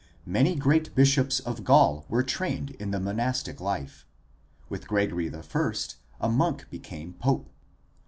Many great bishops of Gaul were trained in the monastic life. With Gregory I a monk became pope.